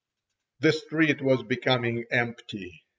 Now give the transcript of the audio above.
The street was becoming empty.